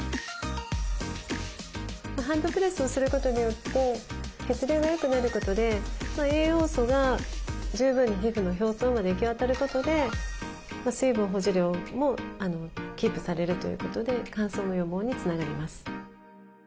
ハンドプレスをすることによって血流がよくなることで栄養素が十分に皮膚の表層まで行き渡ることで水分保持量もキープされるということで乾燥の予防につながります。